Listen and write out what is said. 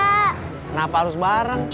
kenapa harus bareng